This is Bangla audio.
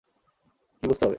কি বুঝতে হবে?